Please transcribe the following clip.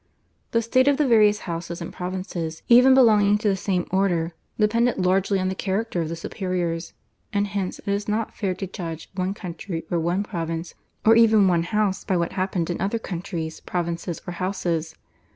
The state of the various houses and provinces even belonging to the same order depended largely on the character of the superiors, and hence it is not fair to judge one country or one province, or even one house, by what happened in other countries, provinces, or houses.